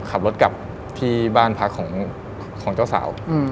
ขับรถกลับที่บ้านพักของเจ้าสาว